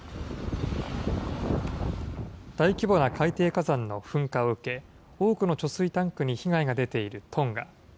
大規模な海底火山の噴火を受け、多くの貯水タンクに被害が出ているトンガ。